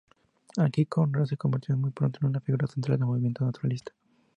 Aquí Conrad se convirtió muy pronto en una figura central del movimiento naturalista.